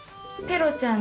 ペロちゃん。